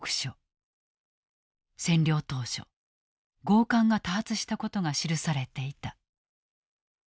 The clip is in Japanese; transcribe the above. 占領当初強姦が多発したことが記されていた。